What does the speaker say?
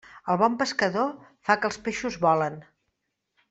El bon pescador fa que els peixos volen.